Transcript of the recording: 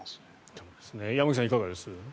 山口さん、いかがです？